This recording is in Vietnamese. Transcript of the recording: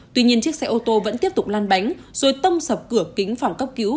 tuy nhiên chiếc xe ô tô vẫn tiếp tục lan bánh rồi tông sập cửa kính phòng cấp cứu